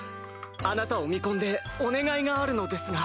あなたを見込んでお願いがあるのですが。